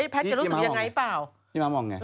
พี่มะมองไง